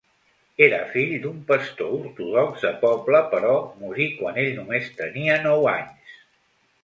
Era fill d'un pastor ortodox de poble, però morí quan ell només tenia nou anys.